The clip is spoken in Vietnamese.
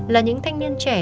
là những thanh niên trẻ